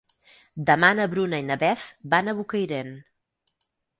Demà na Bruna i na Beth van a Bocairent.